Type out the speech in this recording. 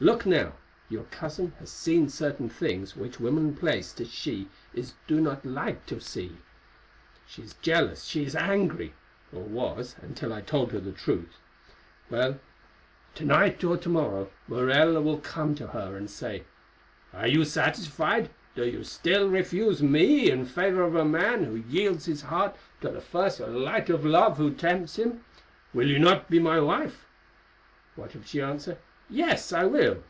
Look now, your cousin has seen certain things which women placed as she is do not like to see. She is jealous, she is angry—or was until I told her the truth. Well, to night or to morrow, Morella will come to her and say, 'Are you satisfied? Do you still refuse me in favour of a man who yields his heart to the first light of love who tempts him? Will you not be my wife?' What if she answer, 'Yes, I will.